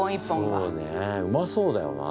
そうねうまそうだよな